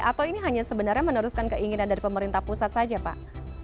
atau ini hanya sebenarnya meneruskan keinginan dari pemerintah pusat saja pak